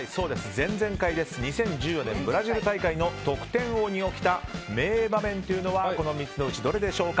前々回２０１４年ブラジル大会の得点王に起きた迷場面というのはこの３つのうちどれでしょうか。